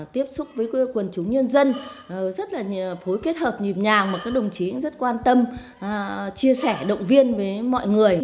tiếp xúc với quần chúng nhân dân rất là phối kết hợp nhịp nhàng mà các đồng chí cũng rất quan tâm chia sẻ động viên với mọi người